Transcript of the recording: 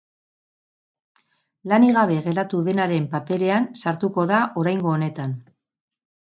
Lanik gabe geratu denaren paperean sartuko da oraingo honetan.